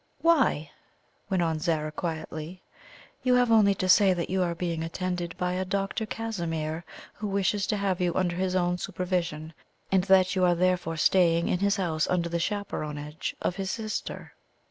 "Why," went on Zara quietly, "you have only to say that you are being attended by a Dr. Casimir who wishes to have you under his own supervision, and that you are therefore staying in his house under the chaperonage of his sister."